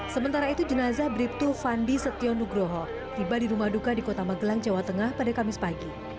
sementara itu jenazah bribtu fandi setio nugroho tiba di rumah duka di kota magelang jawa tengah pada kamis pagi